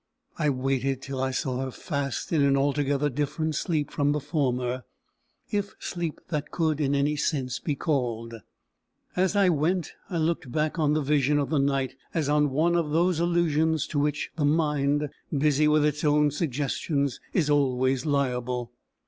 I waited till I saw her fast in an altogether different sleep from the former, if sleep that could in any sense be called. As I went, I looked back on the vision of the night as on one of those illusions to which the mind, busy with its own suggestions, is always liable.